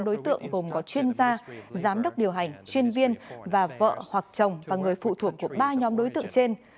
ba đối tượng gồm có chuyên gia giám đốc điều hành chuyên viên và vợ hoặc chồng và người phụ thuộc của ba nhóm đối tượng trên